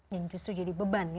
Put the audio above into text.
yang justru jadi beban